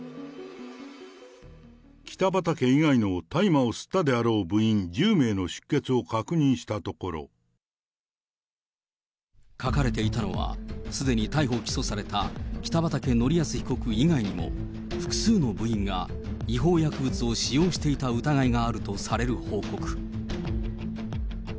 北畠以外の大麻を吸ったであろう部員１０名の出欠を確認した書かれていたのは、すでに逮捕・起訴された北畠成文被告以外にも複数の部員が違法薬物を使用していた疑いがあるとされる報告。